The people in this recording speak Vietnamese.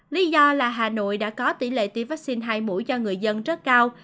lý do là hà nội đã có tỷ lệ tiêm vaccine hai mũi cho người dân rất cao